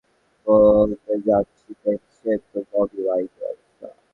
বলতে চাচ্ছি, দেখেছেনই তো ববি মাইকের অবস্থা!